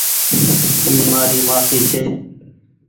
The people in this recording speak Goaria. اي مآري مآسي ڇي۔